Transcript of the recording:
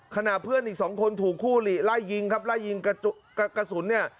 ขณะเพื่อนอีกสองคนถูกคู่หลีไล่ยิงครับไล่ยิงกระสุนเนี่ย